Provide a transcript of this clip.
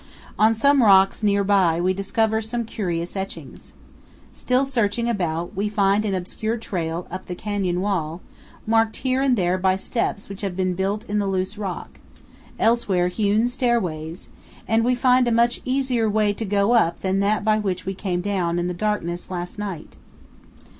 On some rocks near by we discover some curious etchings. Still searching about, we find an obscure trail up the canyon wall, marked here and there by steps which have been built in the loose rock, elsewhere hewn stairways, and we find a much easier way to go up than that by which we came down in the darkness last night.